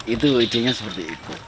itu ide nya seperti itu